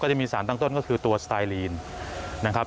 จะมีสารตั้งต้นก็คือตัวสไตลีนนะครับ